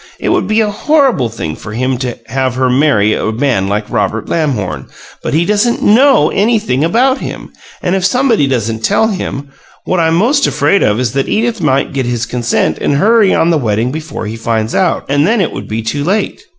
It would be a horrible thing for him to have her marry a man like Robert Lamhorn; but he doesn't KNOW anything about him, and if somebody doesn't tell him, what I'm most afraid of is that Edith might get his consent and hurry on the wedding before he finds out, and then it would be too late.